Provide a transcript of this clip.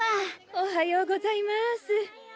おはようございます。